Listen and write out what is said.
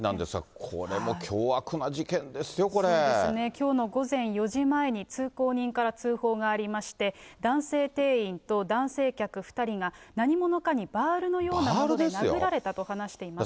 きょうの午前４時前に、通行人から通報がありまして、男性店員と男性客２人が、何者かにバールのようなもので殴られたと話していました。